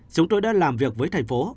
chúng tôi đã làm việc với thành phố